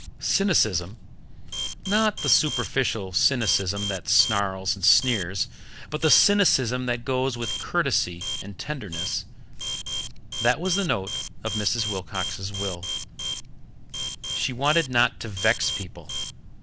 Cynicism not the superficial cynicism that snarls and sneers, but the cynicism that can go with courtesy and tenderness that was the note of Mrs. Wilcox's will. She wanted not to vex people.